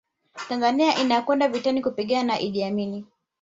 Tanzania inakwenda vitani kupigana na Iddi Amini